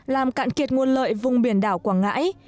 làm cạn kiệt nguồn lợi vùng biển đảo quảng ngãi